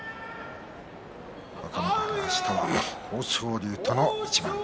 若元春、明日は豊昇龍との一番。